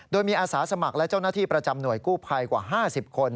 โดยมีอาสาสมัครและเจ้าหน้าที่ประจำหน่วยกู้ภัยกว่า๕๐คน